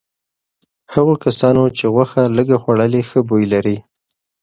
هغو کسانو چې غوښه لږه خوړلي ښه بوی لري.